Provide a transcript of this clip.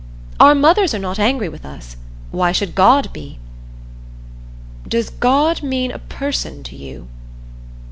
Our mothers are not angry with us why should God be?" "Does God mean a person to you?"